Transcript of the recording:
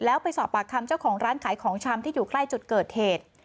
แล้วไปสอบปากคำเจ้าของร้านขายของชำที่อยู่ใกล้จุดเกิดเหตุ